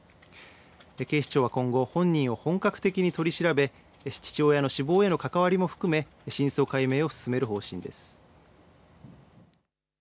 警視庁は今後、本人を本格的に取り調べ、父親の死亡への関わりも含め真相解明を進める方針です。